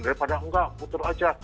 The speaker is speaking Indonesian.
daripada enggak puter aja